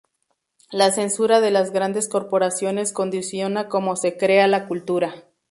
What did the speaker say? La censura de las grandes corporaciones condiciona como se crea la cultura